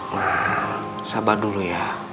nah saba dulu ya